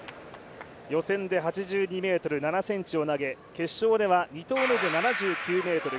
予選で８２ｍ７ｃｍを投げ、決勝では２投目で７９ｍ９５。